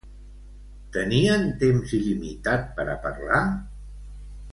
Tenien temps il·limitat per a parlar?